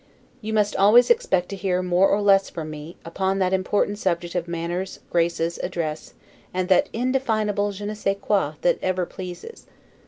You must always expect to hear, more or less, from me, upon that important subject of manners, graces, address, and that undefinable 'je ne sais quoi' that ever pleases.